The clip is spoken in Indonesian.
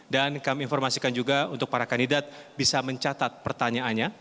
dan kami informasikan juga untuk para kandidat bisa mencatat pertanyaannya